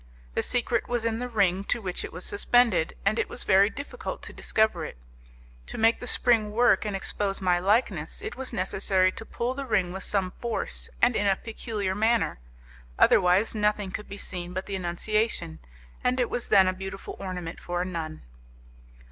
The secret was in the ring to which it was suspended, and it was very difficult to discover it. To make the spring work and expose my likeness it was necessary to pull the ring with some force and in a peculiar manner. Otherwise, nothing could be seen but the Annunciation; and it was then a beautiful ornament for a nun.